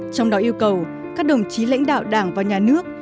trong đó yêu cầu các đồng chí lãnh đạo đảng và nhà nước